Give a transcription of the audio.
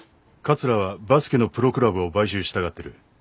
桂はバスケのプロクラブを買収したがってる。